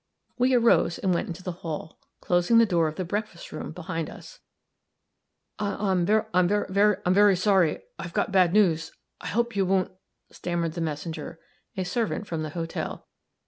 We arose and went out into the hall, closing the door of the breakfast room behind us. "I'm very sorry I've got bad news I hope you won't" stammered the messenger, a servant from the hotel.